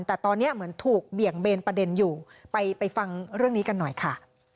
แต่ตอนนี้เหมือนถูกเบี่ยงเบนประเด็นอยู่ไปไปฟังเรื่องนี้กันหน่อยค่ะ